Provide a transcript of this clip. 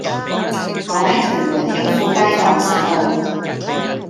我喺屯門興富街盪失路